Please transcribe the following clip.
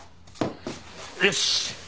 よし。